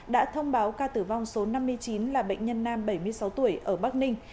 đã thông báo ca tử vong số năm mươi chín là bệnh nhân nam bảy mươi sáu tuổi ở bắc ninh